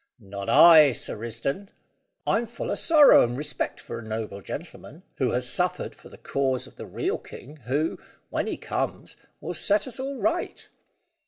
"Not I, Sir Risdon. I'm full o' sorrow and respect for a noble gentleman, who has suffered for the cause of the real king, who, when he comes, will set us all right."